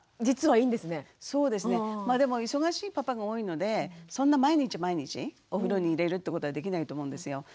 まあでも忙しいパパが多いのでそんな毎日毎日お風呂に入れるってことはできないと思うんですよ。